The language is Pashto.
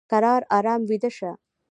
کرار ارام ویده شه !